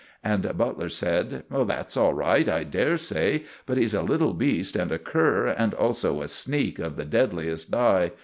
And Butler said: "That's all right, I dare say; but he's a little beast and a cur, and also a sneak of the deadliest dye.